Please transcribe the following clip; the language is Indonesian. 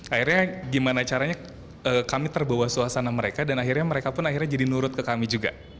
akhirnya gimana caranya kami terbawa suasana mereka dan akhirnya mereka pun akhirnya jadi nurut ke kami juga